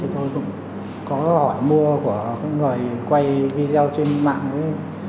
thì tôi cũng có hỏi mua của người quay video trên mạng ấy